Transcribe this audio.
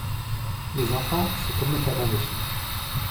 Les enfants c'est comme les tamagotchi.